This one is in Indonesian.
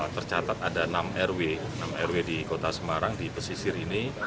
tercatat ada enam rw enam rw di kota semarang di pesisir ini